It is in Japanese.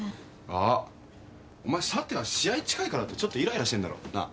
あっお前さては試合近いからってちょっといらいらしてんだろ？なあ。